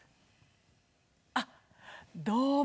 あっどうも。